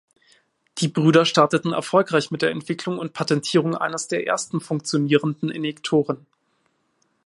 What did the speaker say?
Die Brüder starteten erfolgreich mit der Entwicklung und Patentierung eines der ersten funktionierenden Injektoren.